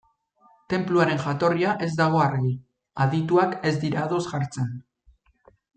Tenpluaren jatorria ez dago argi, adituak ez dira ados jartzen.